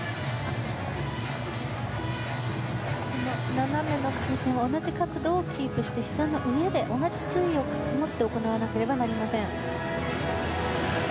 斜めの回転同じ角度をキープしてひざの上で同じ水位を保って行われなければなりません。